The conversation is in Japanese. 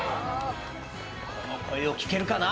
この声を聞けるかな？